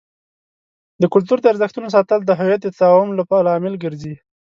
د کلتور د ارزښتونو ساتل د هویت د تداوم لامل ګرځي.